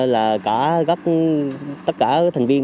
là cả gấp tất cả thành viên